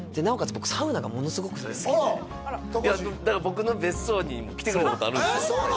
僕サウナがものすごく好きであら高橋だから僕の別荘にも来てくれたことあるんですえっそうなの？